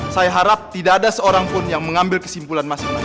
saya harap tidak ada seorang pun yang mengambil kesimpulan masing masing